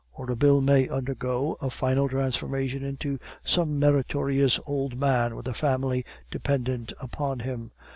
"Or a bill may undergo a final transformation into some meritorious old man with a family dependent upon him.